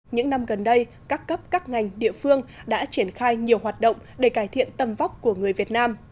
những năm gần đây các cấp các ngành địa phương đã triển khai nhiều hoạt động để cải thiện tâm vóc của người việt nam